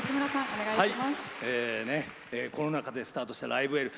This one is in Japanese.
コロナ禍でスタートした「ライブ・エール」。